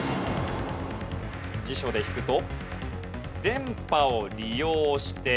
辞書で引くと。